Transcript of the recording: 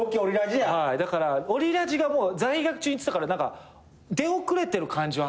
だからオリラジがもう在学中にいってたから出遅れてる感じはあったんですけどね